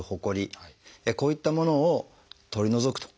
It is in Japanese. こういったものを取り除くと。